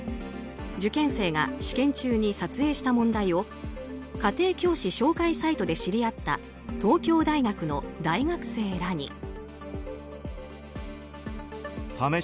受験生が試験中に撮影した問題を家庭教師紹介サイトで知り合った東京大学の大学生らに。